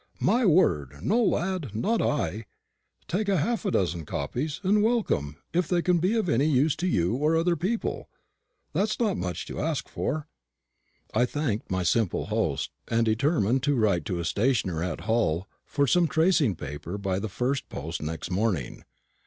"My word, no, lad; not I. Take half a dozen copies, and welcome, if they can be of any use to you or other people. That's not much to ask for." I thanked my simple host, and determined to write to a stationer at Hull for some tracing paper by the first post next morning.